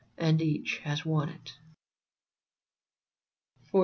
And each has won it ; XIV.